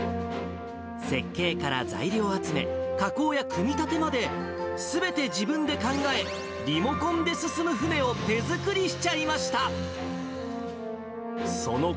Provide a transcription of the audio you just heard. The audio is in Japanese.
設計から材料集め、加工や組み立てまで、すべて自分で考え、リモコンで進む船を手作りしちゃいました。